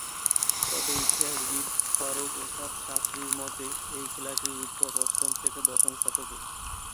তবে ইতিহাসবিদ হরপ্রসাদ শাস্ত্রীর মতে, এই খেলাটির উদ্ভব অষ্টম থেকে দশম শতকে।